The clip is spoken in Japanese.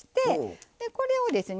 でこれをですね